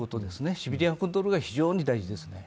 シビリアンコントロールが非常に大事ですね。